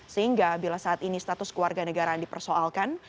sehingga bila saat ini status keluarga negaraan dipersoalkan